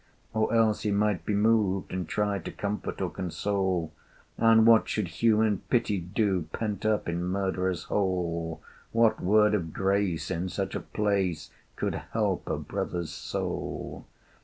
Or else he might be moved, and try To comfort or console: And what should Human Pity do Pent up in Murderers' Hole? What word of grace in such a place Could help a brother's soul?